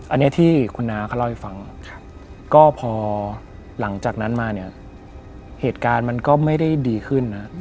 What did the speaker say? อันนี้ที่คุณน้าเขาเล่าให้ฟังก็พอหลังจากนั้นมาเนี่ยเหตุการณ์มันก็ไม่ได้ดีขึ้นนะ